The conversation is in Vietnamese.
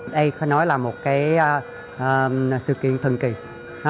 đây phải nói là một sự kiện thần kỳ